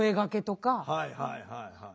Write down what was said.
はいはいはいはい。